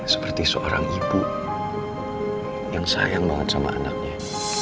seperti seorang ibu yang sayang banget sama anaknya